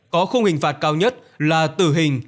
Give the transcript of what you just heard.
có khung hình phạt cao nhất là tử hình